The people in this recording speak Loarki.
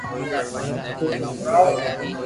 توھي ھڻاو